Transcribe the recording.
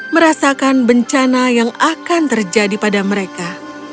merasakan bencana yang akan terjadi pada mereka